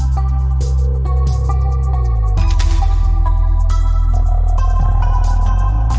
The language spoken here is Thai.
โปรดติดตามต่อไป